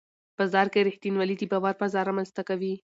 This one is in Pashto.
بازار کې رښتینولي د باور فضا رامنځته کوي